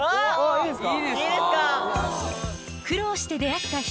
いいですか？